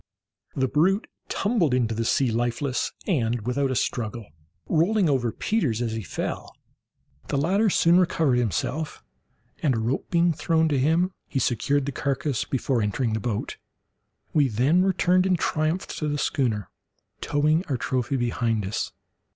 The brute tumbled into the sea lifeless, and without a struggle, rolling over Peters as he fell. The latter soon recovered himself, and a rope being thrown him, he secured the carcass before entering the boat. We then returned in triumph to the schooner, towing our trophy behind us.